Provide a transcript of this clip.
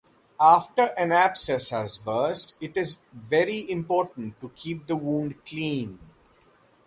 After an abscess has burst, it is very important to keep the wound clean.